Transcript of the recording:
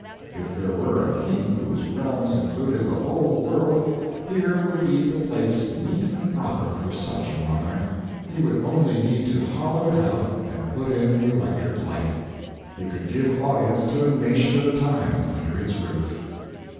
If there were a king whose realms included the whole world, here would be the place meet and proper for such a monarch. He would only need to hollow it out and put in the electric light. He could give audience to a nation at a time under its roof.